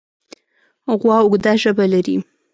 غوا اوږده ژبه لري.